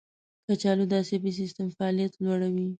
کچالو د عصبي سیستم فعالیت لوړوي.